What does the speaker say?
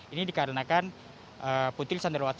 ini dikarenakan putri candrawati